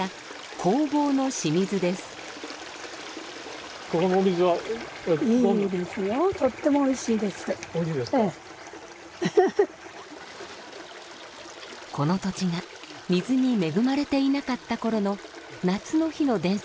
この土地が水に恵まれていなかった頃の夏の日の伝説があります。